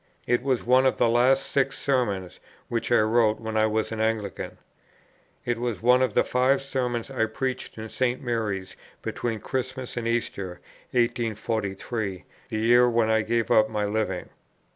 It was one of the last six Sermons which I wrote when I was an Anglican. It was one of the five Sermons I preached in St. Mary's between Christmas and Easter, 1843, the year when I gave up my Living.